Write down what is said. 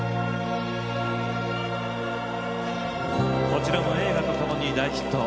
こちらも映画とともに大ヒット